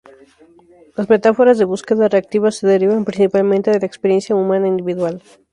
Las metáforas de búsqueda reactiva se derivan principalmente de la experiencia humana individual.